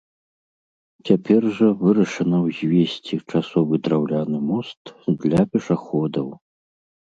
Цяпер жа вырашана ўзвесці часовы драўляны мост для пешаходаў.